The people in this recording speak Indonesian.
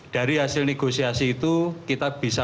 dari hasil negosiasi itu kita bisa